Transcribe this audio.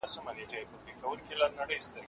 که تعلیم بنسټ ولري، پوهه بې ثباته نه پاته کېږي.